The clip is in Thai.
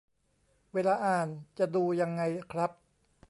เวลาอ่านจะดูยังไงครับ